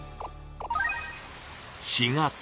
４月。